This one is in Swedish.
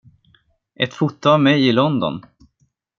Ett foto av mig i London!